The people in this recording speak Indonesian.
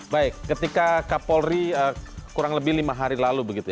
baik ketika kak paul ri kurang lebih lima hari terakhir